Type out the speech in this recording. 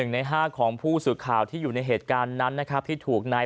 ใน๕ของผู้สื่อข่าวที่อยู่ในเหตุการณ์นั้นนะครับที่ถูกนาย